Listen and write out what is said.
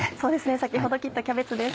先ほど切ったキャベツです。